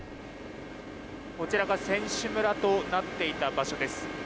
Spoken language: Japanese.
こちらが選手村となっていた場所です。